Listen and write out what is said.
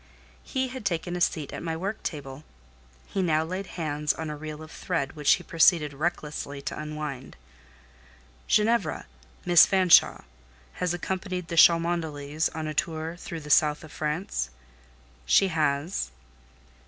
He had taken a seat at my work table; he now laid hands on a reel of thread which he proceeded recklessly to unwind. "Ginevra—Miss Fanshawe, has accompanied the Cholmondeleys on a tour through the south of France?" "She has."